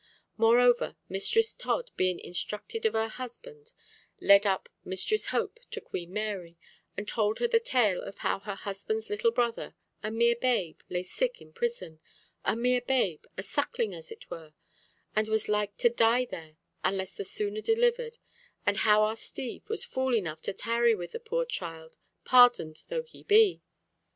Moreover, Mistress Todd being instructed of her husband, led up Mistress Hope to Queen Mary, and told her the tale of how her husband's little brother, a mere babe, lay sick in prison—a mere babe, a suckling as it were—and was like to die there, unless the sooner delivered, and how our Steve was fool enough to tarry with the poor child, pardoned though he be.